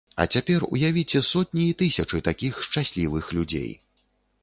А цяпер уявіце сотні і тысячы такіх шчаслівых людзей.